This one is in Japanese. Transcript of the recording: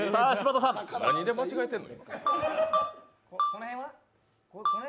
何で間違えてるの？